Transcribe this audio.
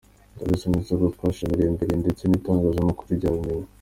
Ndabizi neza ko twashyamiranye mbere ndetse n’itangazamakuru ryarabimenye.